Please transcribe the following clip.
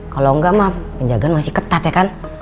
kalau enggak mah penjagaan masih ketat ya kan